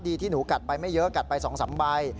ที่หนูกัดไปไม่เยอะกัดไป๒๓ใบ